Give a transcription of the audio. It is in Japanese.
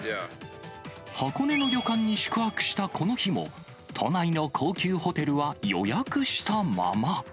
箱根の旅館に宿泊したこの日も、都内の高級ホテルは予約したまま。